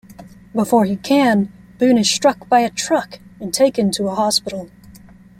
Before he can, Boone is struck by a truck and taken to a hospital.